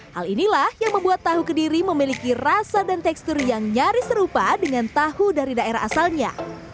hal inilah yang membuat tahu kediri memiliki rasa dan tekstur yang nyaris serupa dengan tahu dari daerah asalnya